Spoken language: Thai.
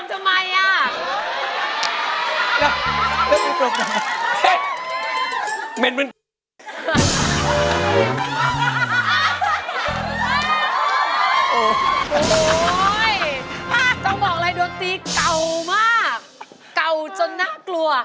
โห้ยต้องบอกอะไรโดตตีเก่ามากเก่าจนน่ากลัว